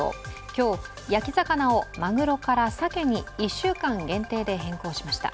今日、焼き魚をまぐろからさけに１週間限定で変更しました。